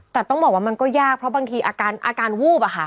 แต่ต้องบอกว่ามันก็ยากเพราะบางทีอาการวูบ